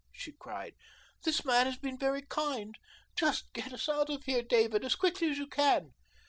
she cried. "This man was very kind. Just get us out of here, David, as quickly as you can."